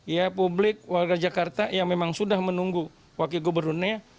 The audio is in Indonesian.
ya publik warga jakarta yang memang sudah menunggu wakil gubernurnya